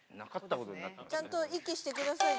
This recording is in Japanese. ちゃんと息してくださいね。